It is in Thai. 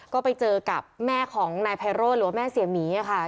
ก็ไปเจอกับแม่ของนายไพโรธหรือว่าแม่เสียหมีค่ะ